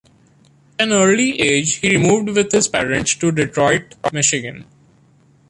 At an early age he removed with his parents to Detroit, Michigan.